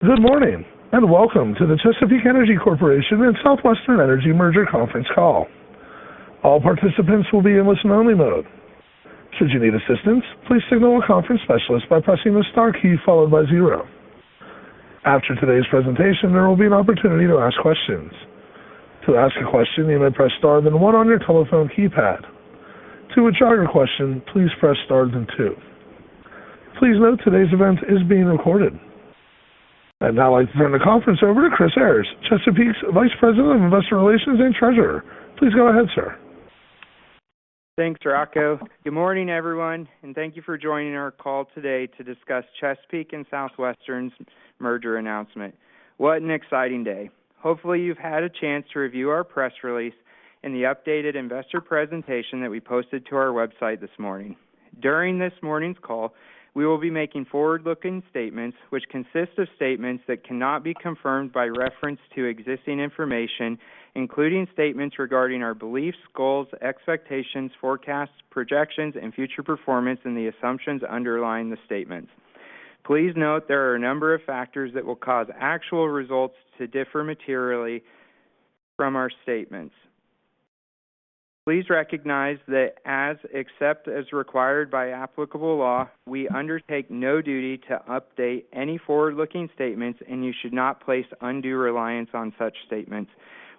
Good morning, and welcome to the Chesapeake Energy Corporation and Southwestern Energy Merger Conference Call. All participants will be in listen-only mode. Should you need assistance, please signal a conference specialist by pressing the star key followed by zero. After today's presentation, there will be an opportunity to ask questions. To ask a question, you may press Star then one on your telephone keypad. To withdraw your question, please press Star then two. Please note, today's event is being recorded. I'd now like to turn the conference over to Chris Ayres, Chesapeake's Vice President of Investor Relations and Treasurer. Please go ahead, sir. Thanks, Rocco. Good morning, everyone, and thank you for joining our call today to discuss Chesapeake and Southwestern's merger announcement. What an exciting day! Hopefully, you've had a chance to review our press release and the updated investor presentation that we posted to our website this morning. During this morning's call, we will be making forward-looking statements, which consist of statements that cannot be confirmed by reference to existing information, including statements regarding our beliefs, goals, expectations, forecasts, projections, and future performance, and the assumptions underlying the statements. Please note, there are a number of factors that will cause actual results to differ materially from our statements. Please recognize that, except as required by applicable law, we undertake no duty to update any forward-looking statements, and you should not place undue reliance on such statements.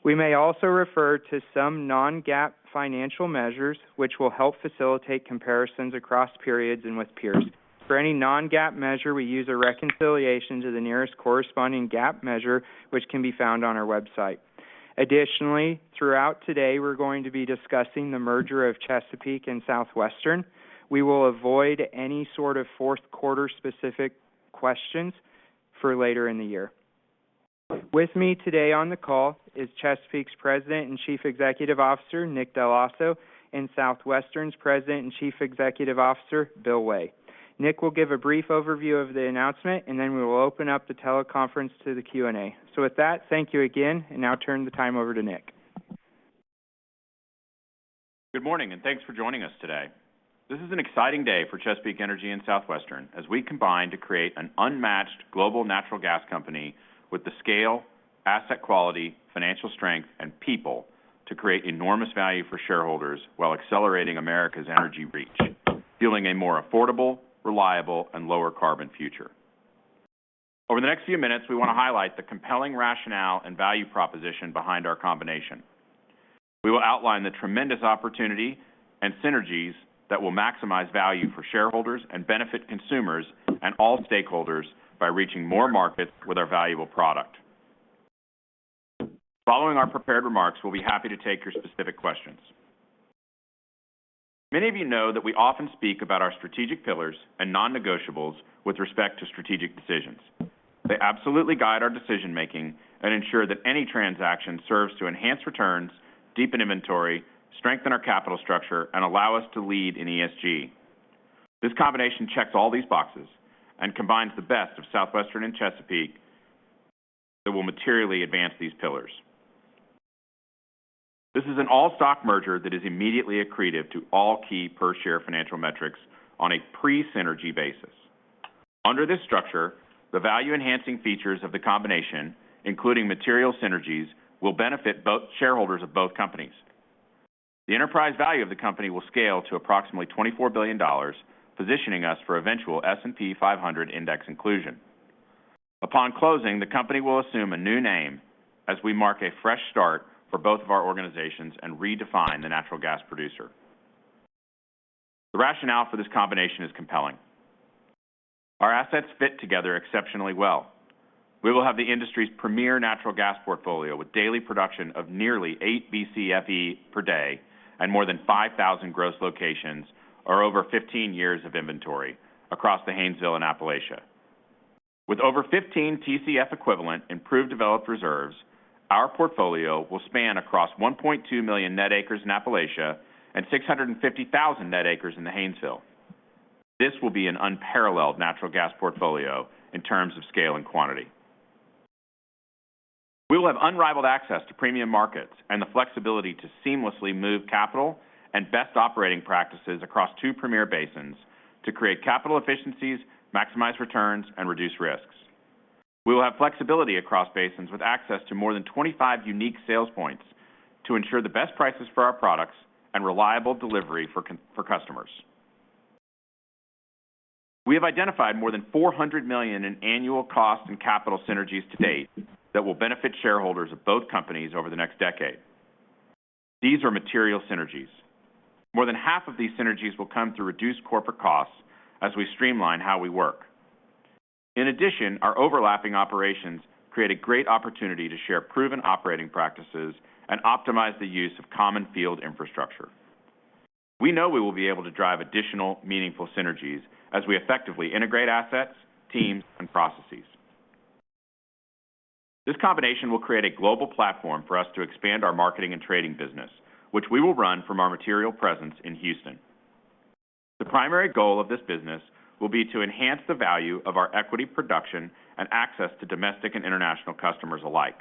We may also refer to some Non-GAAP financial measures, which will help facilitate comparisons across periods and with peers. For any Non-GAAP measure, we use a reconciliation to the nearest corresponding GAAP measure, which can be found on our website. Additionally, throughout today, we're going to be discussing the merger of Chesapeake and Southwestern. We will avoid any sort of fourth quarter-specific questions for later in the year. With me today on the call is Chesapeake's President and Chief Executive Officer, Nick Dell'Osso, and Southwestern's President and Chief Executive Officer, Bill Way. Nick will give a brief overview of the announcement, and then we will open up the teleconference to the Q&A. With that, thank you again, and now turn the time over to Nick. Good morning, and thanks for joining us today. This is an exciting day for Chesapeake Energy and Southwestern as we combine to create an unmatched global natural gas company with the scale, asset quality, financial strength, and people to create enormous value for shareholders while accelerating America's energy reach, fueling a more affordable, reliable, and lower carbon future. Over the next few minutes, we want to highlight the compelling rationale and value proposition behind our combination. We will outline the tremendous opportunity and synergies that will maximize value for shareholders and benefit consumers and all stakeholders by reaching more markets with our valuable product. Following our prepared remarks, we'll be happy to take your specific questions. Many of you know that we often speak about our strategic pillars and non-negotiables with respect to strategic decisions. They absolutely guide our decision-making and ensure that any transaction serves to enhance returns, deepen inventory, strengthen our capital structure, and allow us to lead in ESG. This combination checks all these boxes and combines the best of Southwestern and Chesapeake that will materially advance these pillars. This is an all-stock merger that is immediately accretive to all key per-share financial metrics on a pre-synergy basis. Under this structure, the value-enhancing features of the combination, including material synergies, will benefit both shareholders of both companies. The enterprise value of the company will scale to approximately $24 billion, positioning us for eventual S&P 500 index inclusion. Upon closing, the company will assume a new name as we mark a fresh start for both of our organizations and redefine the natural gas producer. The rationale for this combination is compelling. Our assets fit together exceptionally well. We will have the industry's premier natural gas portfolio, with daily production of nearly eight BCFE per day and more than 5,000 gross locations or over 15 years of inventory across the Haynesville and Appalachia. With over 15 TCF equivalent in proved developed reserves, our portfolio will span across 1.2 million net acres in Appalachia and 650,000 net acres in the Haynesville. This will be an unparalleled natural gas portfolio in terms of scale and quantity. We will have unrivaled access to premium markets and the flexibility to seamlessly move capital and best operating practices across two premier basins to create capital efficiencies, maximize returns, and reduce risks. We will have flexibility across basins with access to more than 25 unique sales points to ensure the best prices for our products and reliable delivery for customers. We have identified more than $400 million in annual cost and capital synergies to date that will benefit shareholders of both companies over the next decade. These are material synergies. More than half of these synergies will come through reduced corporate costs as we streamline how we work. In addition, our overlapping operations create a great opportunity to share proven operating practices and optimize the use of common field infrastructure. We know we will be able to drive additional meaningful synergies as we effectively integrate assets, teams, and processes. This combination will create a global platform for us to expand our marketing and trading business, which we will run from our material presence in Houston. The primary goal of this business will be to enhance the value of our equity production and access to domestic and international customers alike.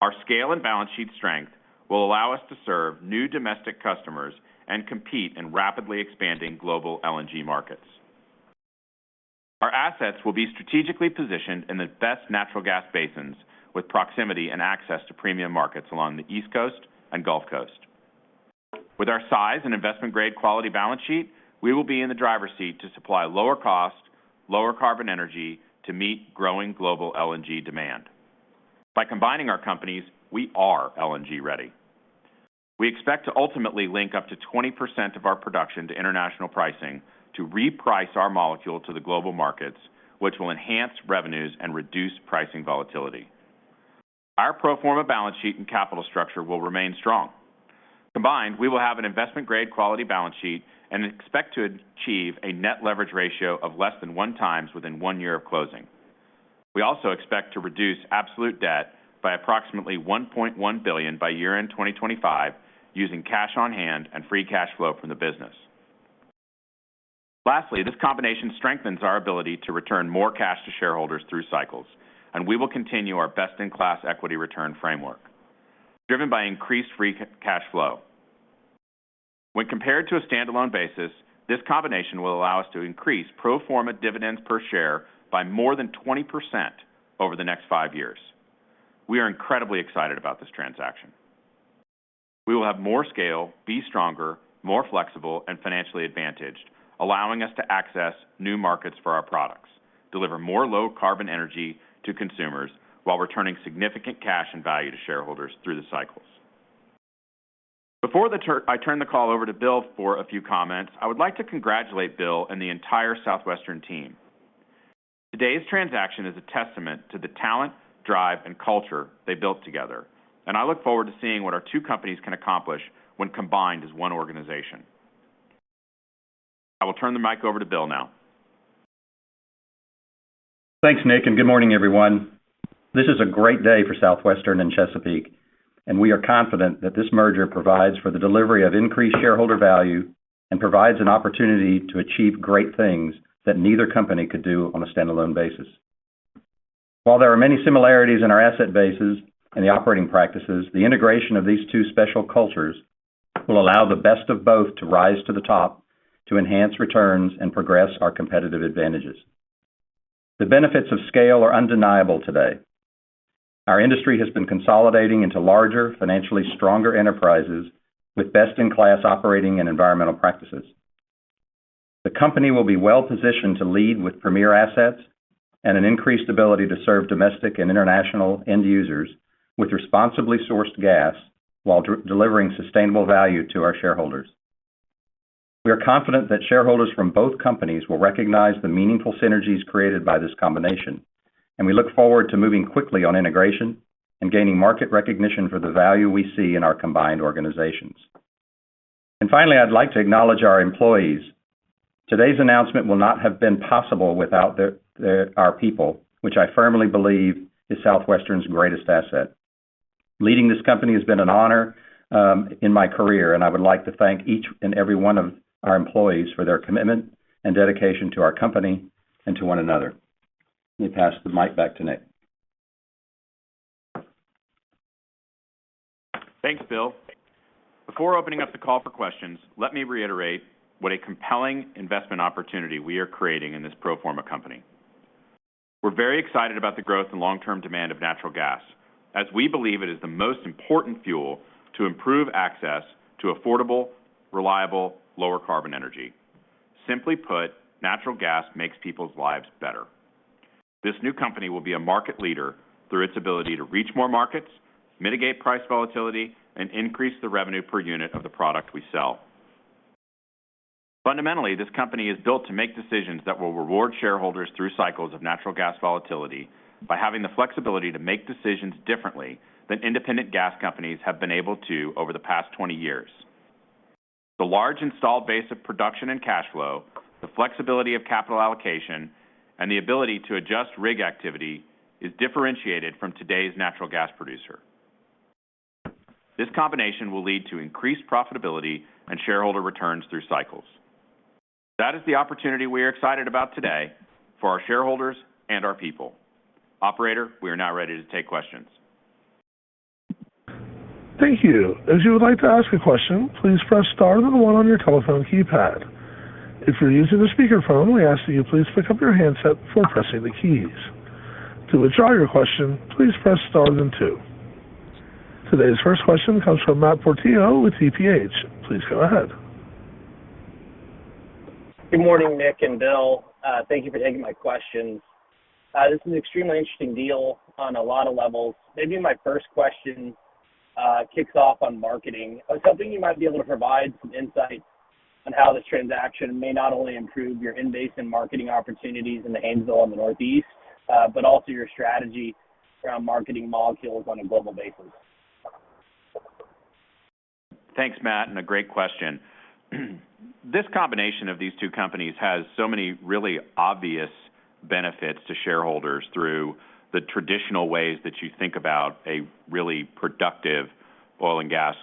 Our scale and balance sheet strength will allow us to serve new domestic customers and compete in rapidly expanding global LNG markets. Our assets will be strategically positioned in the best natural gas basins, with proximity and access to premium markets along the East Coast and Gulf Coast. With our size and Investment Grade quality balance sheet, we will be in the driver's seat to supply lower cost, lower carbon energy to meet growing global LNG demand. By combining our companies, we are LNG-ready. We expect to ultimately link up to 20% of our production to international pricing to reprice our molecule to the global markets, which will enhance revenues and reduce pricing volatility. Our pro forma balance sheet and capital structure will remain strong. Combined, we will have an Investment Grade quality balance sheet and expect to achieve a Net Leverage Ratio of less than 1x within one year of closing. We also expect to reduce absolute debt by approximately $1.1 billion by year-end 2025, using cash on hand and free cash flow from the business. Lastly, this combination strengthens our ability to return more cash to shareholders through cycles, and we will continue our best-in-class equity return framework, driven by increased free cash flow. When compared to a standalone basis, this combination will allow us to increase pro forma dividends per share by more than 20% over the next five years. We are incredibly excited about this transaction. We will have more scale, be stronger, more flexible, and financially advantaged, allowing us to access new markets for our products, deliver more low-carbon energy to consumers, while returning significant cash and value to shareholders through the cycles. Before I turn the call over to Bill for a few comments, I would like to congratulate Bill and the entire Southwestern team. Today's transaction is a testament to the talent, drive, and culture they built together, and I look forward to seeing what our two companies can accomplish when combined as one organization. I will turn the mic over to Bill now. Thanks, Nick, and good morning, everyone. This is a great day for Southwestern and Chesapeake, and we are confident that this merger provides for the delivery of increased shareholder value and provides an opportunity to achieve great things that neither company could do on a standalone basis. While there are many similarities in our asset bases and the operating practices, the integration of these two special cultures will allow the best of both to rise to the top, to enhance returns and progress our competitive advantages. The benefits of scale are undeniable today. Our industry has been consolidating into larger, financially stronger enterprises with best-in-class operating and environmental practices. The company will be well positioned to lead with premier assets and an increased ability to serve domestic and international end users with responsibly sourced gas while delivering sustainable value to our shareholders. We are confident that shareholders from both companies will recognize the meaningful synergies created by this combination, and we look forward to moving quickly on integration and gaining market recognition for the value we see in our combined organizations. And finally, I'd like to acknowledge our employees. Today's announcement will not have been possible without our people, which I firmly believe is Southwestern's greatest asset. Leading this company has been an honor in my career, and I would like to thank each and every one of our employees for their commitment and dedication to our company and to one another. Let me pass the mic back to Nick. Thanks, Bill. Before opening up the call for questions, let me reiterate what a compelling investment opportunity we are creating in this pro forma company. We're very excited about the growth and long-term demand of natural gas, as we believe it is the most important fuel to improve access to affordable, reliable, lower-carbon energy. Simply put, natural gas makes people's lives better. This new company will be a market leader through its ability to reach more markets, mitigate price volatility, and increase the revenue per unit of the product we sell. Fundamentally, this company is built to make decisions that will reward shareholders through cycles of natural gas volatility by having the flexibility to make decisions differently than independent gas companies have been able to over the past 20 years. The large installed base of production and cash flow, the flexibility of capital allocation, and the ability to adjust rig activity is differentiated from today's natural gas producer. This combination will lead to increased profitability and shareholder returns through cycles. That is the opportunity we are excited about today for our shareholders and our people. Operator, we are now ready to take questions. Thank you. As you would like to ask a question, please press star then the one on your telephone keypad. If you're using a speakerphone, we ask that you please pick up your handset before pressing the keys. To withdraw your question, please press star then two. Today's first question comes from Matt Portillo with TPH. Please go ahead. Good morning, Nick and Bill. Thank you for taking my questions. This is an extremely interesting deal on a lot of levels. Maybe my first question kicks off on marketing. I was hoping you might be able to provide some insight on how this transaction may not only improve your in-basin marketing opportunities in the Appalachia and the Northeast, but also your strategy around marketing molecules on a global basis. Thanks, Matt, and a great question. This combination of these two companies has so many really obvious benefits to shareholders through the traditional ways that you think about a really productive oil and gas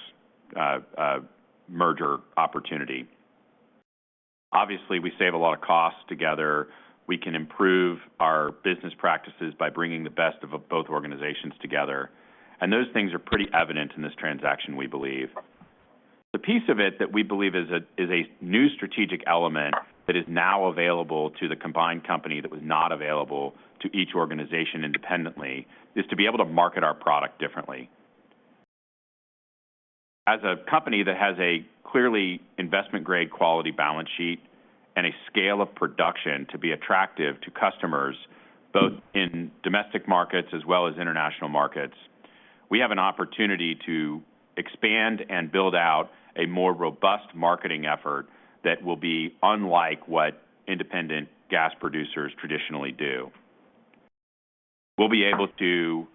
merger opportunity. Obviously, we save a lot of costs together. We can improve our business practices by bringing the best of both organizations together, and those things are pretty evident in this transaction, we believe. The piece of it that we believe is a new strategic element that is now available to the combined company that was not available to each organization independently, is to be able to market our product differently. As a company that has a clearly investment-grade quality balance sheet and a scale of production to be attractive to customers, both in domestic markets as well as international markets, we have an opportunity to expand and build out a more robust marketing effort that will be unlike what independent gas producers traditionally do. We'll be able to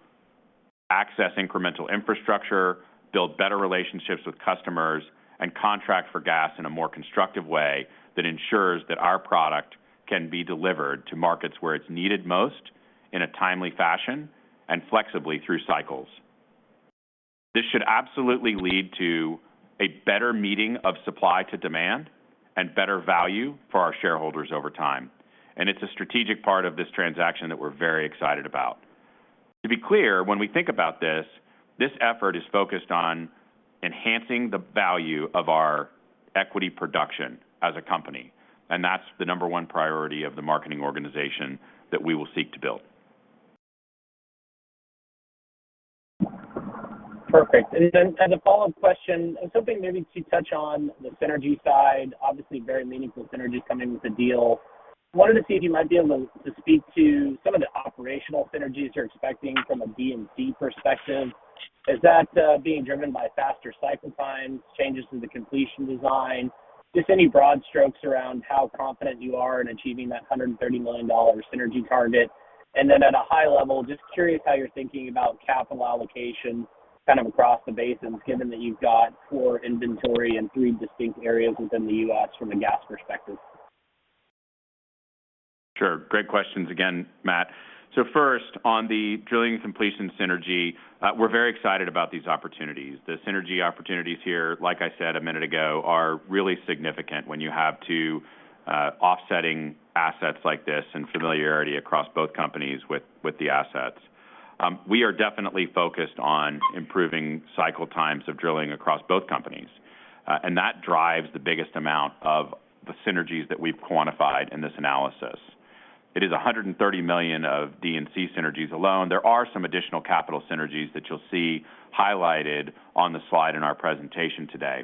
access incremental infrastructure, build better relationships with customers, and contract for gas in a more constructive way that ensures that our product can be delivered to markets where it's needed most in a timely fashion and flexibly through cycles. This should absolutely lead to a better meeting of supply to demand and better value for our shareholders over time, and it's a strategic part of this transaction that we're very excited about. To be clear, when we think about this, this effort is focused on enhancing the value of our equity production as a company, and that's the number one priority of the marketing organization that we will seek to build. Perfect. And then as a follow-up question, I was hoping maybe to touch on the synergy side. Obviously, very meaningful synergies coming with the deal. I wanted to see if you might be able to speak to some of the operational synergies you're expecting from a D&C perspective. Is that being driven by faster cycle times, changes to the completion design? Just any broad strokes around how confident you are in achieving that $130 million synergy target. And then at a high level, just curious how you're thinking about capital allocation kind of across the basins, given that you've got pure inventory in three distinct areas within the U.S. from a gas perspective. Sure. Great questions again, Matt. So first, on the drilling completion synergy, we're very excited about these opportunities. The synergy opportunities here, like I said a minute ago, are really significant when you have two offsetting assets like this and familiarity across both companies with the assets. We are definitely focused on improving cycle times of drilling across both companies, and that drives the biggest amount of the synergies that we've quantified in this analysis. It is $130 million of D&C synergies alone. There are some additional capital synergies that you'll see highlighted on the slide in our presentation today.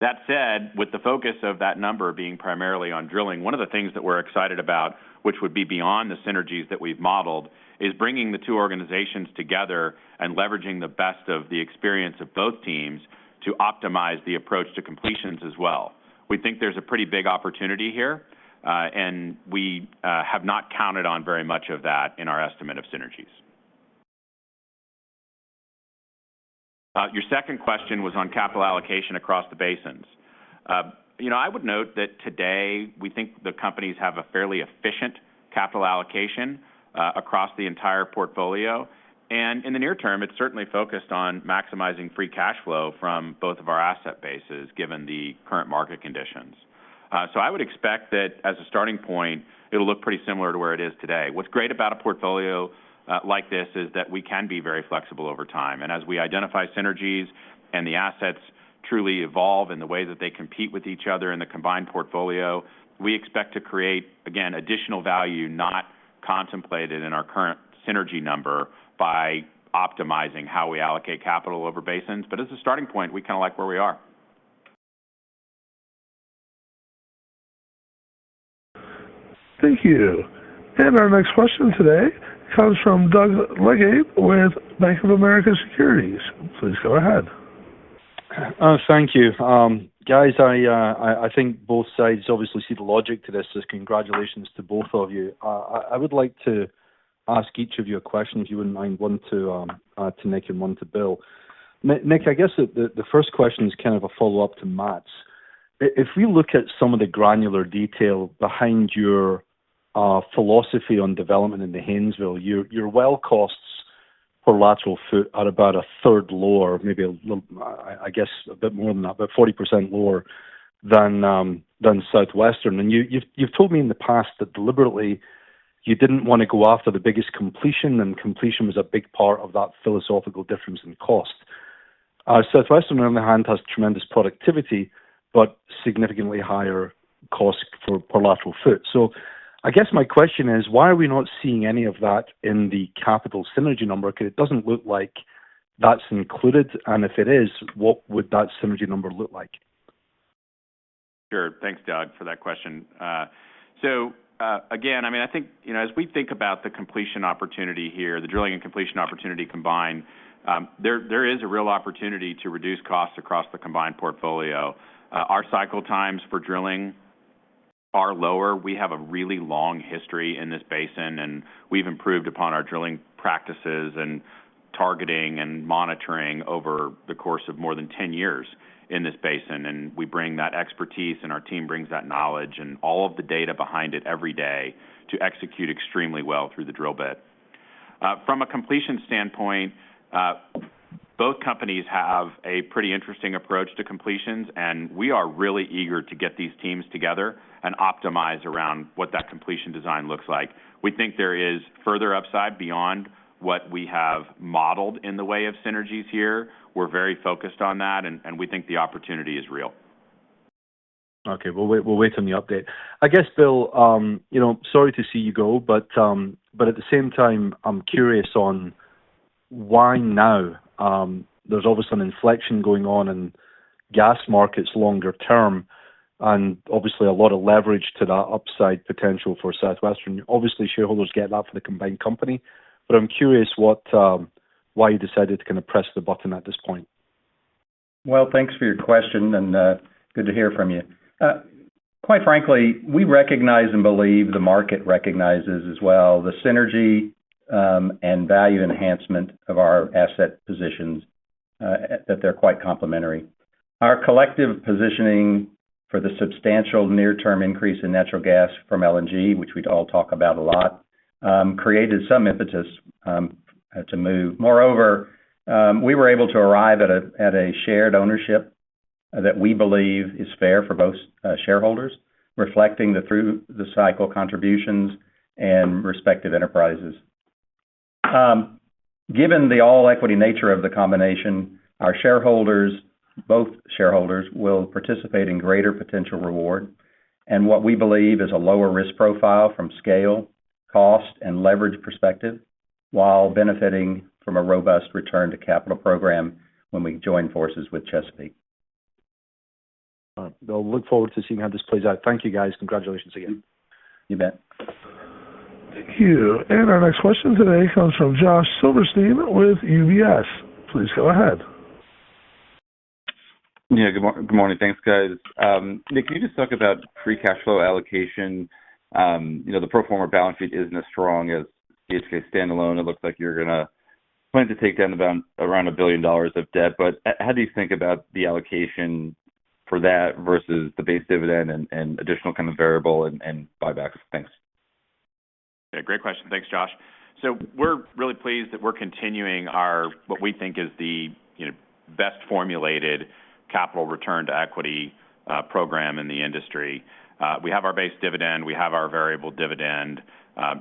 That said, with the focus of that number being primarily on drilling, one of the things that we're excited about, which would be beyond the synergies that we've modeled, is bringing the two organizations together and leveraging the best of the experience of both teams to optimize the approach to completions as well. We think there's a pretty big opportunity here, and we have not counted on very much of that in our estimate of synergies. Your second question was on capital allocation across the basins. You know, I would note that today, we think the companies have a fairly efficient capital allocation across the entire portfolio. In the near term, it's certainly focused on maximizing free cash flow from both of our asset bases, given the current market conditions. So I would expect that as a starting point, it'll look pretty similar to where it is today. What's great about a portfolio, like this is that we can be very flexible over time. And as we identify synergies and the assets truly evolve in the way that they compete with each other in the combined portfolio, we expect to create, again, additional value not contemplated in our current synergy number by optimizing how we allocate capital over basins. But as a starting point, we kinda like where we are. Thank you. Our next question today comes from Doug Leggate with Bank of America Securities. Please go ahead. Thank you. Guys, I think both sides obviously see the logic to this, so congratulations to both of you. I would like to ask each of you a question, if you wouldn't mind, one to Nick and one to Bill. Nick, I guess the first question is kind of a follow-up to Matt's. If we look at some of the granular detail behind your philosophy on development in the Haynesville, your well costs per lateral foot are about a third lower, maybe a little, a bit more than that, about 40% lower than Southwestern. And you've told me in the past that deliberately you didn't want to go after the biggest completion, and completion was a big part of that philosophical difference in cost. Southwestern, on the other hand, has tremendous productivity, but significantly higher costs for per lateral foot. So I guess my question is, why are we not seeing any of that in the capital synergy number? Because it doesn't look like that's included, and if it is, what would that synergy number look like? Sure. Thanks, Doug, for that question. So, again, I mean, I think, you know, as we think about the completion opportunity here, the drilling and completion opportunity combined, there is a real opportunity to reduce costs across the combined portfolio. Our cycle times for drilling are lower. We have a really long history in this basin, and we've improved upon our drilling practices and targeting and monitoring over the course of more than 10 years in this basin. And we bring that expertise, and our team brings that knowledge and all of the data behind it every day to execute extremely well through the drill bit.... From a completion standpoint, both companies have a pretty interesting approach to completions, and we are really eager to get these teams together and optimize around what that completion design looks like. We think there is further upside beyond what we have modeled in the way of synergies here. We're very focused on that, and we think the opportunity is real. Okay, we'll wait, we'll wait on the update. I guess, Bill, you know, sorry to see you go, but, but at the same time, I'm curious on why now? There's obviously an inflection going on in gas markets longer term, and obviously a lot of leverage to that upside potential for Southwestern. Obviously, shareholders get that for the combined company, but I'm curious what, why you decided to kind of press the button at this point. Well, thanks for your question, and good to hear from you. Quite frankly, we recognize and believe the market recognizes as well the synergy and value enhancement of our asset positions that they're quite complementary. Our collective positioning for the substantial near-term increase in natural gas from LNG, which we'd all talk about a lot, created some impetus to move. Moreover, we were able to arrive at a shared ownership that we believe is fair for both shareholders, reflecting the through-the-cycle contributions and respective enterprises. Given the all-equity nature of the combination, our shareholders, both shareholders, will participate in greater potential reward and what we believe is a lower risk profile from scale, cost, and leverage perspective, while benefiting from a robust return to capital program when we join forces with Chesapeake. All right. Bill, look forward to seeing how this plays out. Thank you, guys. Congratulations again. You bet. Thank you. Our next question today comes from Josh Silverstein with UBS. Please go ahead. Yeah, good morning. Thanks, guys. Nick, can you just talk about free cash flow allocation? You know, the pro forma balance sheet isn't as strong as CHK standalone. It looks like you're gonna plan to take down about around $1 billion of debt, but how do you think about the allocation for that versus the base dividend and additional kind of variable and buybacks? Thanks. Yeah, great question. Thanks, Josh. So we're really pleased that we're continuing our, what we think is the, you know, best formulated capital return to equity program in the industry. We have our base dividend, we have our variable dividend.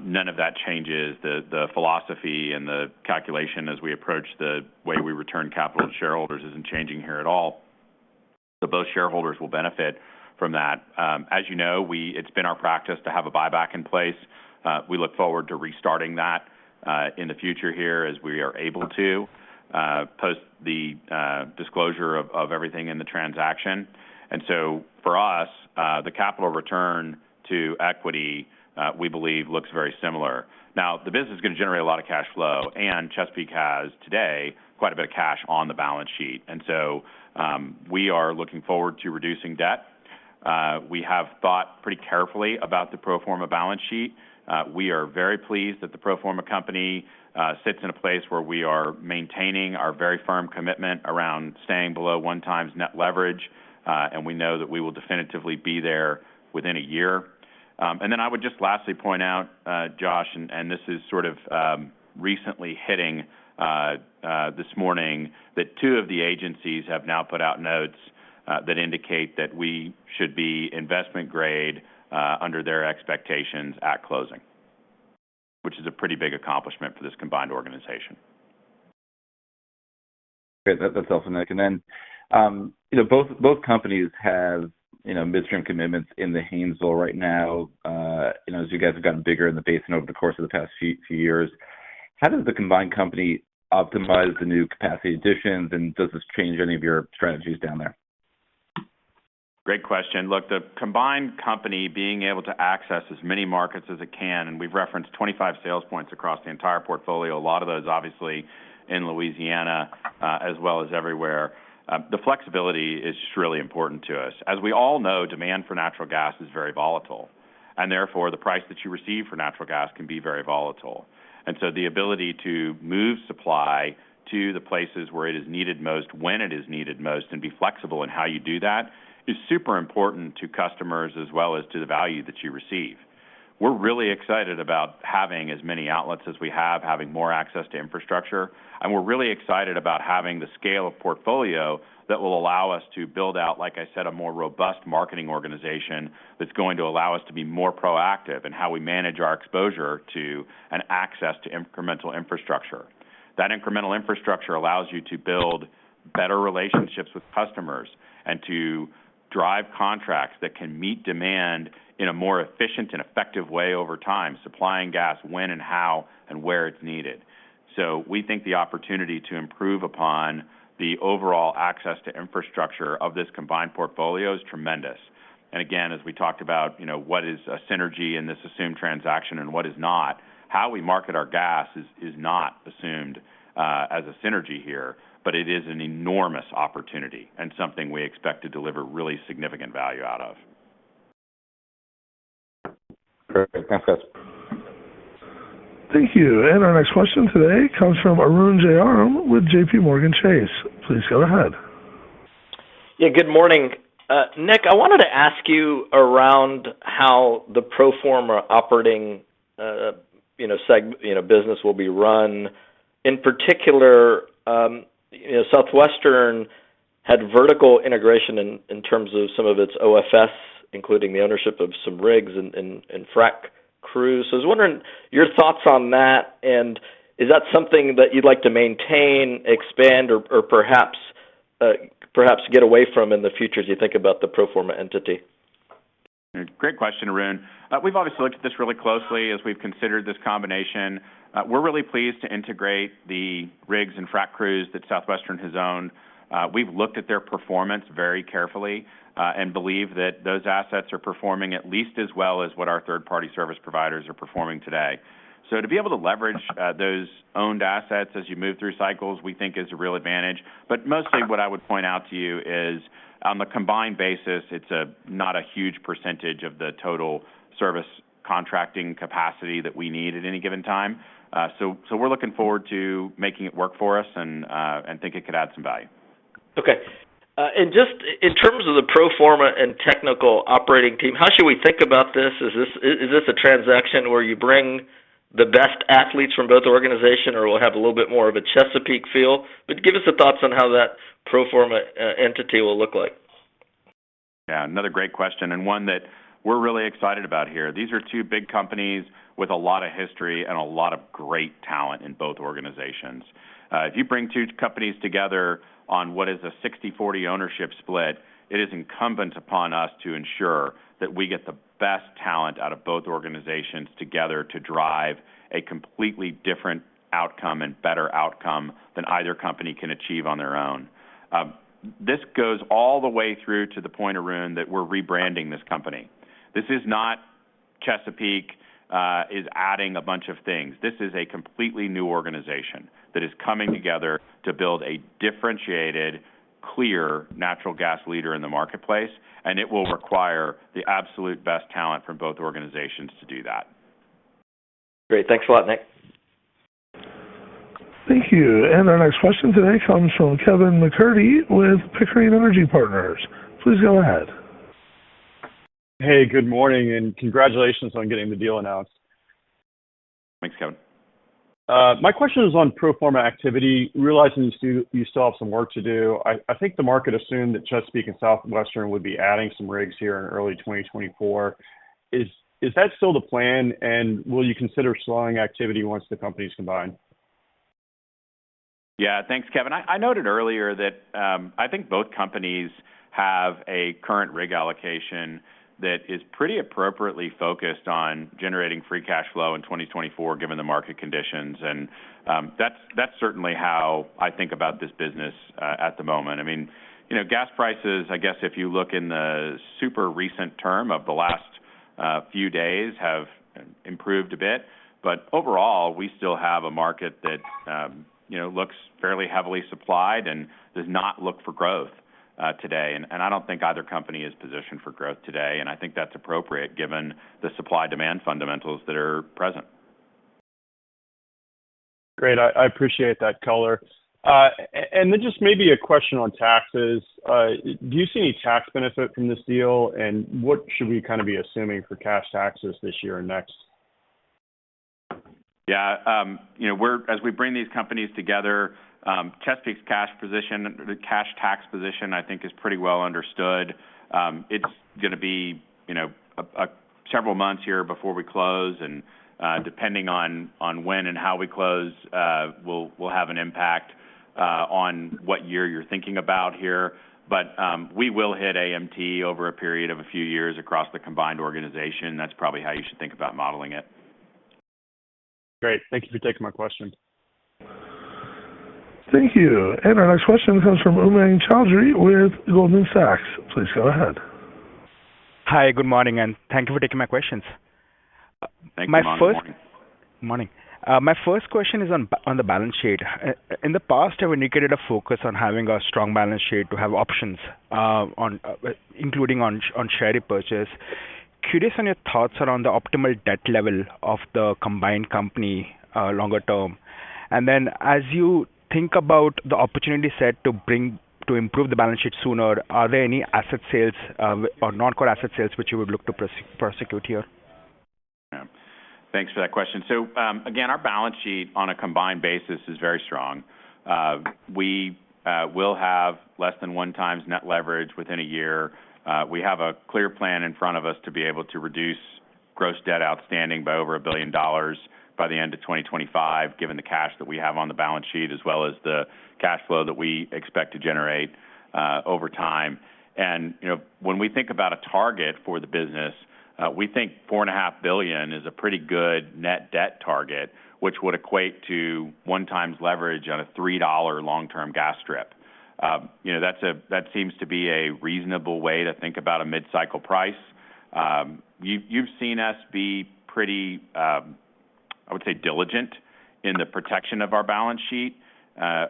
None of that changes. The philosophy and the calculation as we approach the way we return capital to shareholders isn't changing here at all. So both shareholders will benefit from that. As you know, it's been our practice to have a buyback in place. We look forward to restarting that in the future here as we are able to post the disclosure of everything in the transaction. And so for us, the capital return to equity, we believe, looks very similar. Now, the business is going to generate a lot of cash flow, and Chesapeake has today quite a bit of cash on the balance sheet. So, we are looking forward to reducing debt. We have thought pretty carefully about the pro forma balance sheet. We are very pleased that the pro forma company sits in a place where we are maintaining our very firm commitment around staying below 1x net leverage, and we know that we will definitively be there within a year. And then I would just lastly point out, Josh, and this is sort of recently hitting this morning, that two of the agencies have now put out notes that indicate that we should be investment grade under their expectations at closing, which is a pretty big accomplishment for this combined organization. Great. That's awesome, Nick. And then, you know, both companies have, you know, midstream commitments in the Haynesville right now. You know, as you guys have gotten bigger in the basin over the course of the past few years, how does the combined company optimize the new capacity additions, and does this change any of your strategies down there? Great question. Look, the combined company being able to access as many markets as it can, and we've referenced 25 sales points across the entire portfolio, a lot of those obviously in Louisiana, as well as everywhere. The flexibility is just really important to us. As we all know, demand for natural gas is very volatile, and therefore, the price that you receive for natural gas can be very volatile. And so the ability to move supply to the places where it is needed most, when it is needed most, and be flexible in how you do that, is super important to customers as well as to the value that you receive. We're really excited about having as many outlets as we have, having more access to infrastructure, and we're really excited about having the scale of portfolio that will allow us to build out, like I said, a more robust marketing organization that's going to allow us to be more proactive in how we manage our exposure to and access to incremental infrastructure. That incremental infrastructure allows you to build better relationships with customers and to drive contracts that can meet demand in a more efficient and effective way over time, supplying gas when and how, and where it's needed. So we think the opportunity to improve upon the overall access to infrastructure of this combined portfolio is tremendous. Again, as we talked about, you know, what is a synergy in this assumed transaction and what is not, how we market our gas is, is not assumed as a synergy here, but it is an enormous opportunity and something we expect to deliver really significant value out of. Perfect. Thanks, guys. Thank you. Our next question today comes from Arun Jayaram with JPMorgan Chase. Please go ahead.... Yeah, good morning. Nick, I wanted to ask you about how the pro forma operating, you know, segment, you know, business will be run. In particular, you know, Southwestern had vertical integration in terms of some of its OFS, including the ownership of some rigs and frack crews. I was wondering your thoughts on that, and is that something that you'd like to maintain, expand, or perhaps get away from in the future as you think about the pro forma entity? Great question, Arun. We've obviously looked at this really closely as we've considered this combination. We're really pleased to integrate the rigs and frack crews that Southwestern has owned. We've looked at their performance very carefully, and believe that those assets are performing at least as well as what our third-party service providers are performing today. So to be able to leverage those owned assets as you move through cycles, we think is a real advantage. But mostly what I would point out to you is, on the combined basis, it's not a huge percentage of the total service contracting capacity that we need at any given time. So we're looking forward to making it work for us and think it could add some value. Okay. And just in terms of the pro forma and technical operating team, how should we think about this? Is this, is this a transaction where you bring the best athletes from both organizations, or will have a little bit more of a Chesapeake feel? But give us your thoughts on how that pro forma entity will look like. Yeah, another great question, and one that we're really excited about here. These are two big companies with a lot of history and a lot of great talent in both organizations. If you bring two companies together on what is a 60/40 ownership split, it is incumbent upon us to ensure that we get the best talent out of both organizations together to drive a completely different outcome and better outcome than either company can achieve on their own. This goes all the way through to the point, Arun, that we're rebranding this company. This is not Chesapeake is adding a bunch of things. This is a completely new organization that is coming together to build a differentiated, clear natural gas leader in the marketplace, and it will require the absolute best talent from both organizations to do that. Great. Thanks a lot, Nick. Thank you. Our next question today comes from Kevin McCurdy with Pickering Energy Partners. Please go ahead. Hey, good morning, and congratulations on getting the deal announced. Thanks, Kevin. My question is on pro forma activity. Realizing you still have some work to do, I think the market assumed that Chesapeake and Southwestern would be adding some rigs here in early 2024. Is that still the plan? Will you consider slowing activity once the company's combined? Yeah. Thanks, Kevin. I noted earlier that I think both companies have a current rig allocation that is pretty appropriately focused on generating free cash flow in 2024, given the market conditions. And that's certainly how I think about this business at the moment. I mean, you know, gas prices, I guess if you look in the super recent term of the last few days, have improved a bit, but overall, we still have a market that you know, looks fairly heavily supplied and does not look for growth today. And I don't think either company is positioned for growth today, and I think that's appropriate, given the supply-demand fundamentals that are present. Great. I appreciate that color. And then just maybe a question on taxes. Do you see any tax benefit from this deal? And what should we kind of be assuming for cash taxes this year and next? Yeah, you know, we're as we bring these companies together, Chesapeake's cash position, the cash tax position, I think, is pretty well understood. It's gonna be, you know, a several months here before we close, and, depending on when and how we close, will have an impact on what year you're thinking about here. But, we will hit AMT over a period of a few years across the combined organization. That's probably how you should think about modeling it. Great. Thank you for taking my question. Thank you. Our next question comes from Umang Choudhary with Goldman Sachs. Please go ahead. Hi, good morning, and thank you for taking my questions. Thank you. Morning. Morning. My first question is on the balance sheet. In the past, you indicated a focus on having a strong balance sheet to have options, including on share repurchase. Curious on your thoughts around the optimal debt level of the combined company longer term. And then, as you think about the opportunity set to improve the balance sheet sooner, are there any asset sales or non-core asset sales, which you would look to prosecute here? Yeah. Thanks for that question. So, again, our balance sheet on a combined basis is very strong. We will have less than one times net leverage within a year. We have a clear plan in front of us to be able to reduce gross debt outstanding by over $1 billion by the end of 2025, given the cash that we have on the balance sheet, as well as the cash flow that we expect to generate over time. You know, when we think about a target for the business, we think $4.5 billion is a pretty good net debt target, which would equate to one times leverage on a $3 long-term gas strip. You know, that seems to be a reasonable way to think about a mid-cycle price. You've seen us be pretty, I would say, diligent in the protection of our balance sheet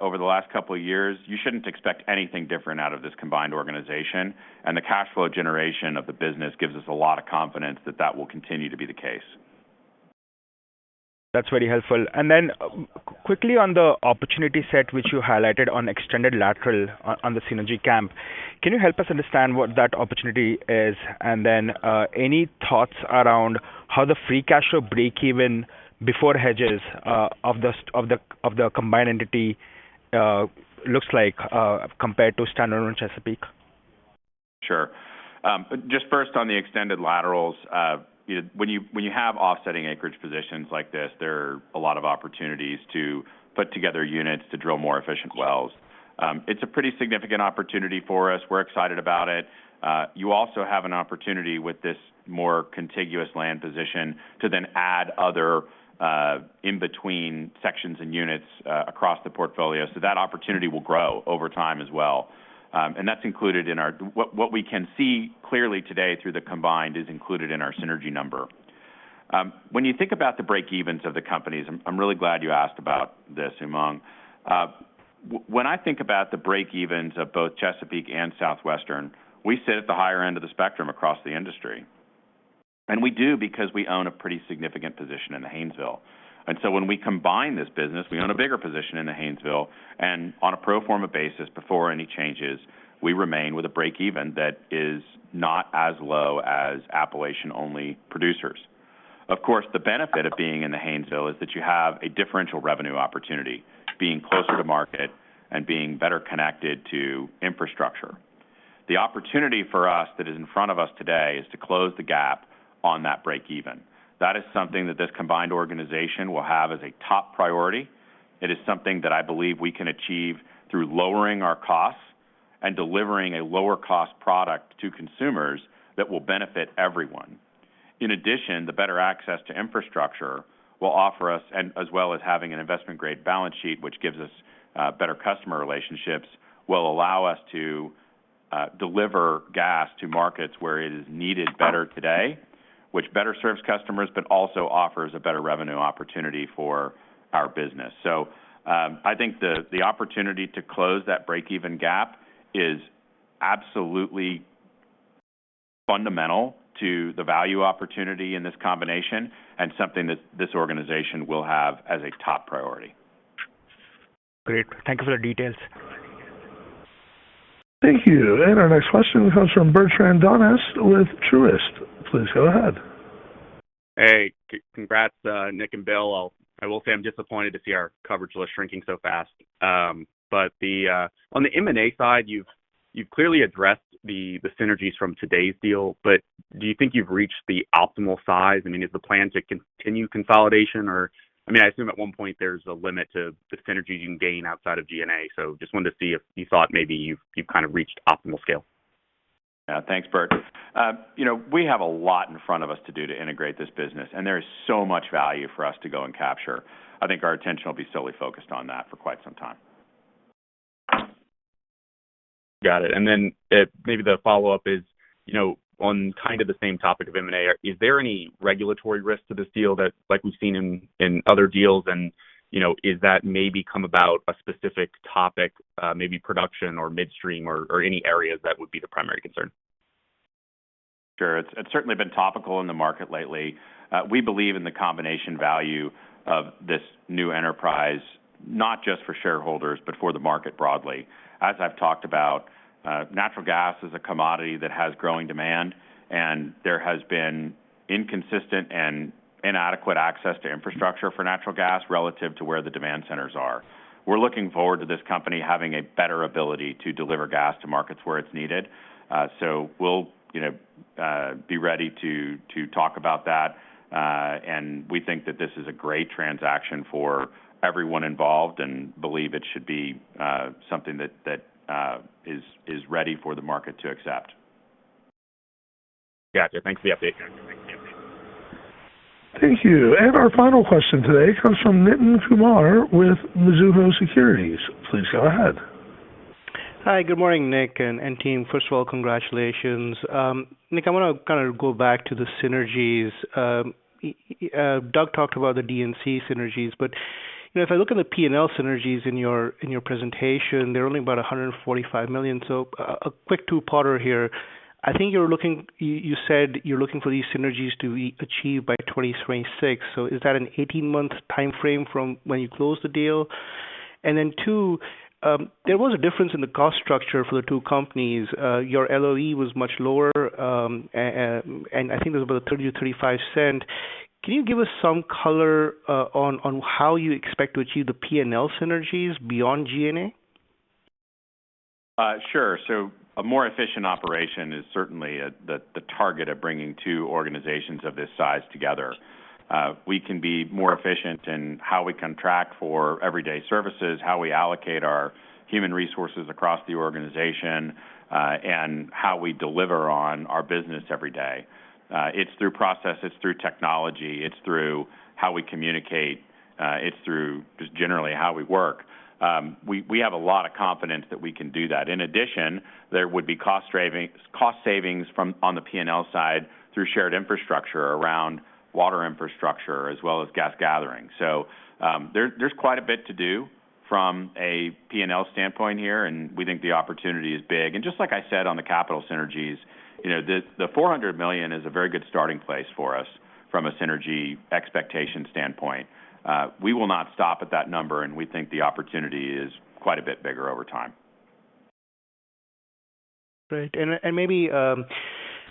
over the last couple of years. You shouldn't expect anything different out of this combined organization, and the cash flow generation of the business gives us a lot of confidence that that will continue to be the case.... That's very helpful. And then, quickly on the opportunity set, which you highlighted on extended lateral on the synergy camp, can you help us understand what that opportunity is? And then, any thoughts around how the free cash flow breakeven before hedges of the combined entity looks like compared to standard Chesapeake? Sure. Just first on the extended laterals, you know, when you, when you have offsetting acreage positions like this, there are a lot of opportunities to put together units to drill more efficient wells. It's a pretty significant opportunity for us. We're excited about it. You also have an opportunity with this more contiguous land position to then add other, in-between sections and units, across the portfolio, so that opportunity will grow over time as well. And that's included in our—what we can see clearly today through the combined is included in our synergy number. When you think about the break evens of the companies, I'm really glad you asked about this, Umang. When I think about the breakevens of both Chesapeake and Southwestern, we sit at the higher end of the spectrum across the industry, and we do because we own a pretty significant position in the Haynesville. And so when we combine this business, we own a bigger position in the Haynesville, and on a pro forma basis, before any changes, we remain with a breakeven that is not as low as Appalachian-only producers. Of course, the benefit of being in the Haynesville is that you have a differential revenue opportunity, being closer to market and being better connected to infrastructure. The opportunity for us that is in front of us today is to close the gap on that breakeven. That is something that this combined organization will have as a top priority. It is something that I believe we can achieve through lowering our costs and delivering a lower-cost product to consumers that will benefit everyone. In addition, the better access to infrastructure will offer us, and as well as having an investment-grade balance sheet, which gives us better customer relationships, will allow us to deliver gas to markets where it is needed better today, which better serves customers, but also offers a better revenue opportunity for our business. So, I think the opportunity to close that break-even gap is absolutely fundamental to the value opportunity in this combination and something that this organization will have as a top priority. Great. Thank you for the details. Thank you. Our next question comes from Bertrand Donnes with Truist. Please go ahead. Hey, congrats, Nick and Bill. I will say I'm disappointed to see our coverage list shrinking so fast. But on the M&A side, you've clearly addressed the synergies from today's deal, but do you think you've reached the optimal size? I mean, is the plan to continue consolidation or... I mean, I assume at one point there's a limit to the synergies you can gain outside of G&A, so just wanted to see if you thought maybe you've kind of reached optimal scale. Yeah. Thanks, Bert. You know, we have a lot in front of us to do to integrate this business, and there is so much value for us to go and capture. I think our attention will be solely focused on that for quite some time. Got it. And then, maybe the follow-up is, you know, on kind of the same topic of M&A, is there any regulatory risk to this deal that, like we've seen in other deals and, you know, is that maybe come about a specific topic, maybe production or midstream or any areas that would be the primary concern? Sure. It's certainly been topical in the market lately. We believe in the combination value of this new enterprise, not just for shareholders, but for the market broadly. As I've talked about, natural gas is a commodity that has growing demand, and there has been inconsistent and inadequate access to infrastructure for natural gas relative to where the demand centers are. We're looking forward to this company having a better ability to deliver gas to markets where it's needed. So we'll, you know, be ready to talk about that, and we think that this is a great transaction for everyone involved and believe it should be something that is ready for the market to accept. Got it. Thanks for the update. Thank you. Our final question today comes from Nitin Kumar with Mizuho Securities. Please go ahead. Hi, good morning, Nick and team. First of all, congratulations. Nick, I wanna kind of go back to the synergies. Doug talked about the D&C synergies, but, you know, if I look at the P&L synergies in your presentation, they're only about $145 million. So, a quick two-parter here. I think you're looking—you said you're looking for these synergies to be achieved by 2026. So is that an 18-month timeframe from when you close the deal? And then, two, there was a difference in the cost structure for the two companies. Your LOE was much lower, and I think it was about $0.30-$0.35. Can you give us some color on how you expect to achieve the P&L synergies beyond G&A? Sure. So a more efficient operation is certainly the target of bringing two organizations of this size together. We can be more efficient in how we contract for everyday services, how we allocate our human resources across the organization, and how we deliver on our business every day. It's through process, it's through technology, it's through how we communicate, it's through just generally how we work. We have a lot of confidence that we can do that. In addition, there would be cost saving, cost savings from on the P&L side through shared infrastructure around water infrastructure as well as gas gathering. So, there's quite a bit to do from a P&L standpoint here, and we think the opportunity is big. Just like I said, on the capital synergies, you know, the $400 million is a very good starting place for us from a synergy expectation standpoint. We will not stop at that number, and we think the opportunity is quite a bit bigger over time. Great. And maybe, I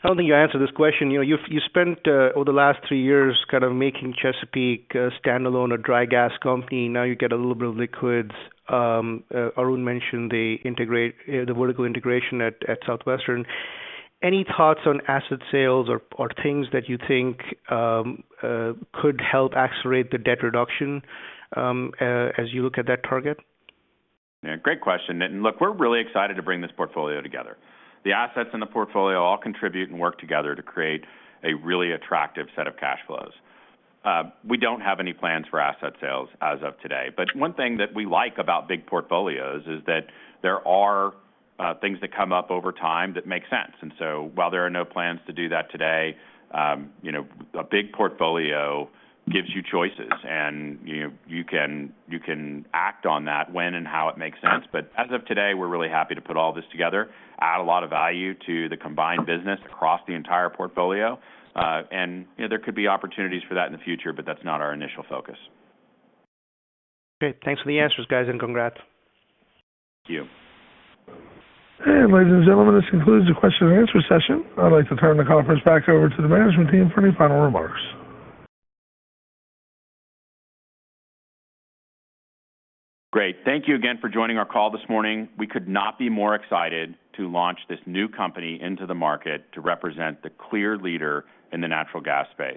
don't think you answered this question. You know, you've spent over the last three years kind of making Chesapeake a standalone, a dry gas company. Now you get a little bit of liquids. Arun mentioned the integrated vertical integration at Southwestern. Any thoughts on asset sales or things that you think could help accelerate the debt reduction as you look at that target? Yeah, great question, Nitin. Look, we're really excited to bring this portfolio together. The assets in the portfolio all contribute and work together to create a really attractive set of cash flows. We don't have any plans for asset sales as of today, but one thing that we like about big portfolios is that there are things that come up over time that make sense. And so while there are no plans to do that today, you know, a big portfolio gives you choices, and, you know, you can act on that when and how it makes sense. But as of today, we're really happy to put all this together, add a lot of value to the combined business across the entire portfolio. And, you know, there could be opportunities for that in the future, but that's not our initial focus. Great. Thanks for the answers, guys, and congrats. Thank you. Ladies and gentlemen, this concludes the question and answer session. I'd like to turn the conference back over to the management team for any final remarks. Great. Thank you again for joining our call this morning. We could not be more excited to launch this new company into the market to represent the clear leader in the natural gas space.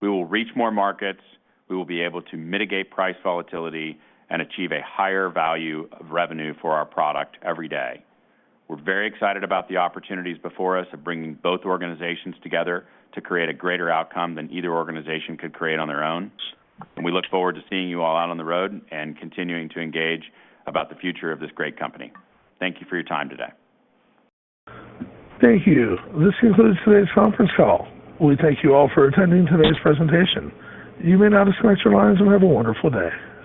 We will reach more markets, we will be able to mitigate price volatility, and achieve a higher value of revenue for our product every day. We're very excited about the opportunities before us of bringing both organizations together to create a greater outcome than either organization could create on their own. And we look forward to seeing you all out on the road and continuing to engage about the future of this great company. Thank you for your time today. Thank you. This concludes today's conference call. We thank you all for attending today's presentation. You may now disconnect your lines and have a wonderful day.